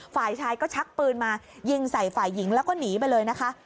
ฝ่ายชายก็ชักปืนมายิงใส่ฝ่ายหญิงแล้วก็หนีไปเลยนะคะ